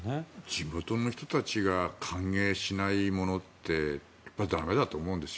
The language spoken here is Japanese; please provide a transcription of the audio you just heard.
地元の人たちが歓迎しないものってやっぱり駄目だと思うんです。